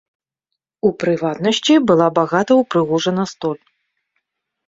У прыватнасці, была багата ўпрыгожана столь.